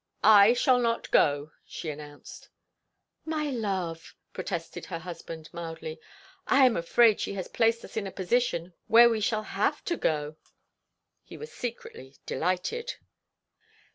"I shall not go," she announced. "My love," protested her husband, mildly, "I am afraid she has placed us in a position where we shall have to go." He was secretly delighted.